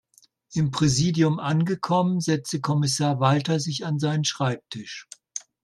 Im Präsidium angekommen, setzte Kommissar Walter sich an seinen Schreibtisch.